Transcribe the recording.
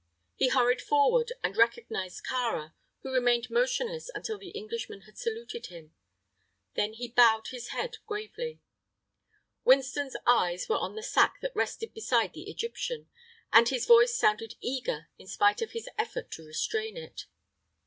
He hurried forward and recognized Kāra, who remained motionless until the Englishman had saluted him. Then he bowed his head gravely. Winston's eyes were on the sack that rested beside the Egyptian, and his voice sounded eager in spite of his effort to restrain it.